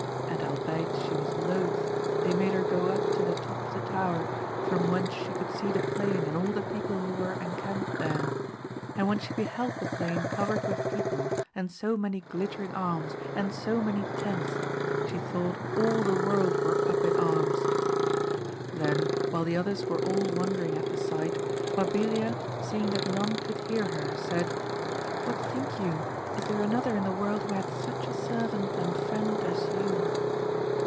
And albeit she was loth, they made her go up to the top of the tower, from whence she could see the plain and all the people who were encamped there ; and when she beheld the plain covered with people, and so many glittering arms, and 150 AMADIS OF GAUL, 80 many tents, she thought all the world were up in arms. Then while the others were all wondering at the sight, Mahilia, seeing that none could hear her, said, What think you, is there another in the world who hath such a servant and friend as you